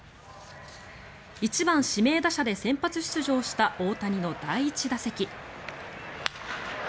１番指名打者で先発出場した大谷の第１打席。